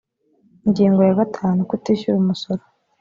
ingingo ya gatanu kutishyura umusoro